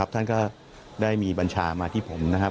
ท่านก็ได้มีบัญชามาที่ผมนะครับ